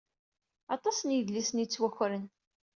Aṭas n yedlisen ay yettwakren.